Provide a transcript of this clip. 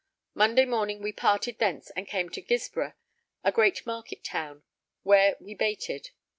Monday morning we parted thence and came to Guisborough, a great market town, where we baited.